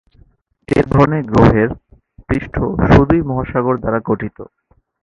এ ধরনের গ্রহের পৃষ্ঠ শুধুই মহাসাগর দ্বারা গঠিত।